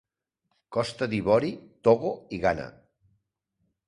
Costa d'Ivori, Togo i Ghana.